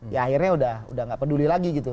ya akhirnya sudah tidak peduli lagi gitu